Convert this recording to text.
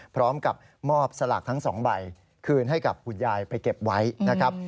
พร้อมกับมอบสลากทั้ง๒ใบคืนให้กับคุณยายไปเก็บไว้นะครับ